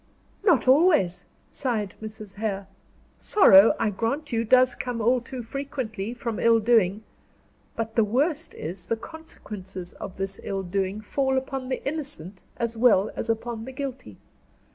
"Not always," sighed Mrs. Hare. "Sorrow, I grant you, does come all too frequently, from ill doing; but the worst is, the consequences of this ill doing fall upon the innocent as well as upon the guilty.